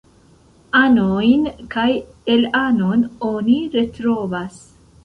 Anojn kaj elanon oni retrovas.